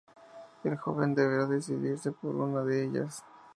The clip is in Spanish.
El joven deberá decidirse por una de ellas.